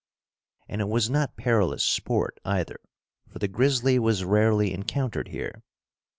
And it was not perilous sport, either, for the grizzly was rarely encountered here.